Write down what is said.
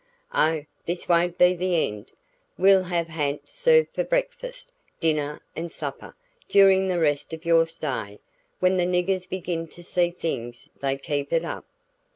"Oh, this won't be the end! We'll have ha'nt served for breakfast, dinner and supper during the rest of your stay. When the niggers begin to see things they keep it up."